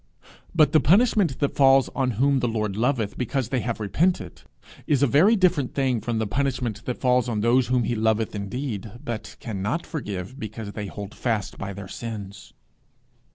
But the punishment that falls on whom the Lord loveth because they have repented, is a very different thing from the punishment that falls on those whom he loveth in deed but cannot forgive because they hold fast by their sins.